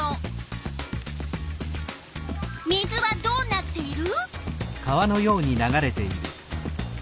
水はどうなっている？